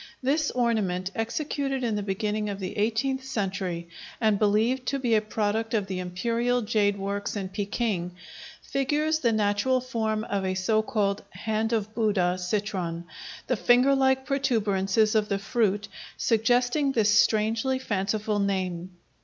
This ornament, executed in the beginning of the eighteenth century and believed to be a product of the Imperial Jade Works in Peking, figures the natural form of a so called "hand of Buddha" citron, the finger like protuberances of the fruit suggesting this strangely fanciful name.